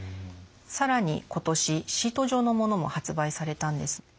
更に今年シート状のものも発売されたんです。